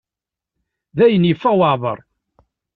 Dayen yeffeɣ waɛbar.